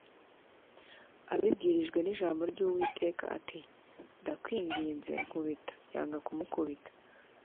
abibwirijwe n’ijambo ry’Uwiteka ati “Ndakwinginze nkubita” Yanga kumukubita